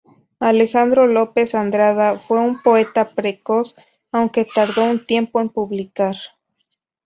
Alejandro López Andrada fue un poeta precoz, aunque tardó un tiempo en publicar.